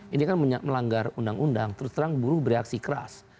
ini kan melanggar undang undang terus terang buruh bereaksi keras